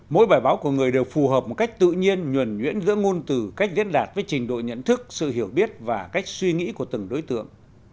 mỗi bài báo của người đều phù hợp một cách tự nhiên nhuẩn nhuyễn giữa ngôn từ cách diễn đạt với trình độ nhận thức sự hiểu biết và cách suy nghĩ của từng đối tượng